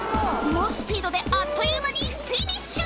猛スピードであっという間にフィニッシュ。